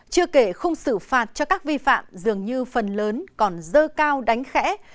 chưa kể không xử phạt cho các vi phạm dường như phần lớn còn dơ cao đánh khẽ